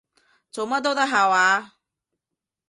做乜都得下話？